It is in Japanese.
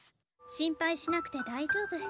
心配しなくて大丈夫。